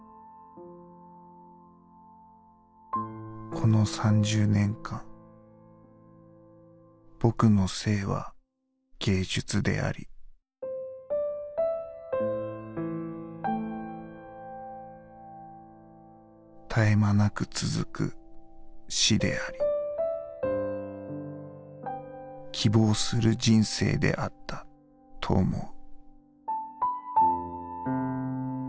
「この３０年間僕の生は芸術であり絶え間なく続く死であり希望する人生であったと思う」。